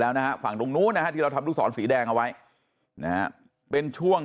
แล้วนะฝั่งตรงนู้นนะที่เราทำลูกสอนสีแดงเอาไว้เป็นช่วง